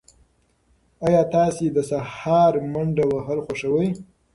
ایا تاسي د سهار منډه وهل خوښوئ؟